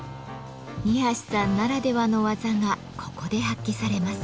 二さんならではの技がここで発揮されます。